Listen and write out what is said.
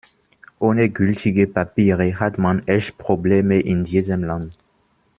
Ohne gültige Papiere hat man echt Probleme in diesem Land.